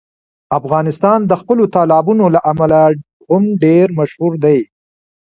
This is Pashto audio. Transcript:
افغانستان د خپلو تالابونو له امله هم ډېر مشهور دی.